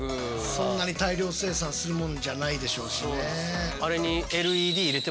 そんなに大量生産するもんじゃないでしょうしね。